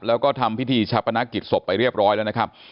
แล้วก็ทำพิธีชาปนกิจศพไปเรียบร้อยแล้วนะครับ